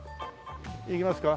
行きますか。